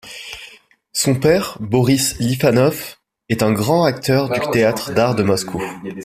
Son père, Boris Livanov, est un grand acteur du Théâtre d'art de Moscou.